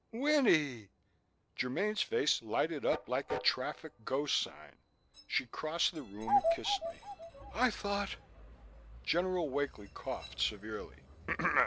"Winnie!" Germaine's face lighted up like a traffic go sign. She crossed the room and kissed me. "I thought " General Wakely coughed, severely.